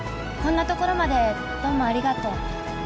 こんなところまでどうもありがとう。